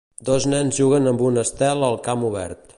Dos nens juguen amb un estel al camp obert